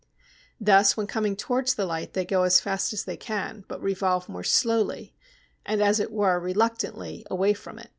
Thus when coming towards the light they go as fast as they can, but revolve more slowly, and as it were reluctantly, away from it.